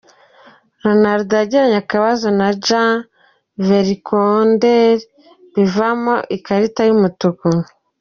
Ronaldo yagiranye akabazo na Jan Vertonghen bivamo ikarita y'umuhondo.